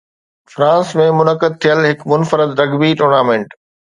France ۾ منعقد ٿيل هڪ منفرد رگبي ٽورنامينٽ